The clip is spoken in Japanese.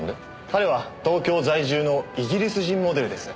彼は東京在住のイギリス人モデルです。